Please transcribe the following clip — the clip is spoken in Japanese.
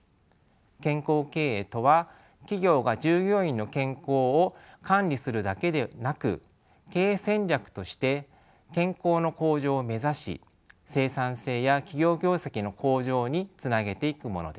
健康経営とは企業が従業員の健康を管理するだけでなく経営戦略として健康の向上を目指し生産性や企業業績の向上につなげていくものです。